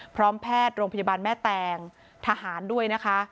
พร้อมแพทย์โรงพยาบาลแม่แตงทหารด้วยนะคะ